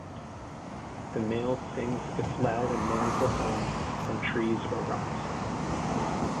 The male sings its loud and mournful song from trees or rocks.